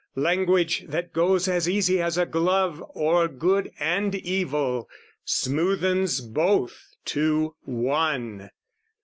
Language that goes as easy as a glove O'er good and evil, smoothens both to one.